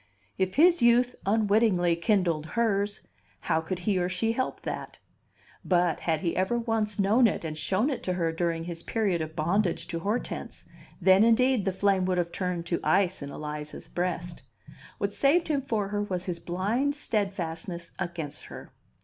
If his youth unwittingly kindled hers, how could he or she help that? But, had he ever once known it and shown it to her during his period of bondage to Hortense, then, indeed, the flame would have turned to ice in Eliza's breast. What saved him for her was his blind steadfastness against her.